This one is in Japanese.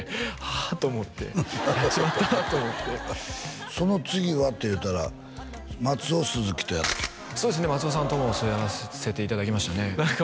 あと思ってやっちまったと思ってその次はというたら松尾スズキとやってそうですね松尾さんともそうやらせていただきましたねなんか